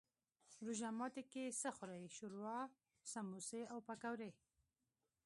روژه ماتی کی څه خورئ؟ شوروا، سموسي او پکوړي